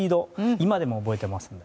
今でも覚えていますね。